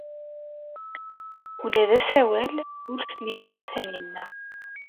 Ula d asawal ur t-tli ara Taninna.